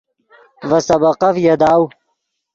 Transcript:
ڤے سبقف یاداؤ